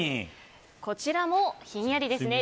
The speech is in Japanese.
こちらも、ひんやりですね。